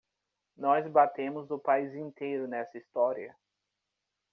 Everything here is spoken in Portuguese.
Nós batemos o país inteiro nessa história.